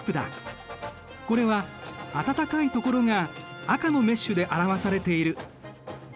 これは暖かいところが赤のメッシュで表されている。